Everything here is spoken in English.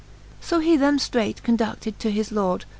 So he them ftreight condui^ed to his lord.